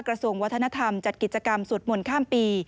กระทรวงวัฒนธรรมจัดกิจกรรมสวดมนต์ข้ามปี